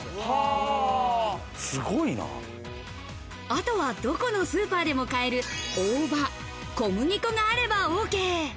あとはどこのスーパーでも買える大葉、小麦粉があればＯＫ。